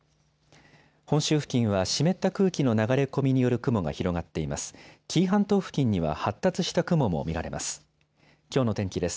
本州付近は湿った空気の流れ込みによる雲が広がっています。